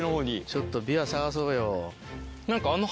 ちょっとビワ探そうよ。